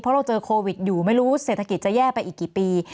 เพราะเราเจอโควิดอยู่ไม่รู้เศรษฐกิจจะแย่ไปอีกกี่ปี